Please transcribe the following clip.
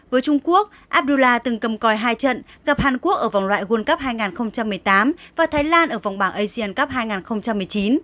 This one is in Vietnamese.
với trung quốc abdullah từng cầm coi hai trận gặp hàn quốc ở vòng loại world cup hai nghìn một mươi tám và thái lan ở vòng bảng asian cup hai nghìn một mươi chín